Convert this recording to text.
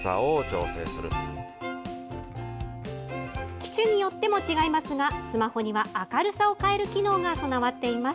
機種によっても違いますがスマホには明るさを変える機能が備わっています。